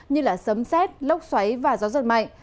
như sấm xét lốc xoáy và gió giật mạnh